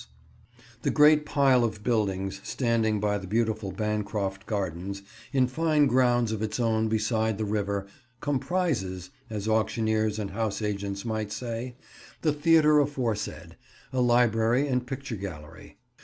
[Picture: The Harvard House: Panel Room] The great pile of buildings standing by the beautiful Bancroft gardens, in fine grounds of its own beside the river, "comprises," as auctioneers and house agents might say, the theatre aforesaid, a library, and picture gallery.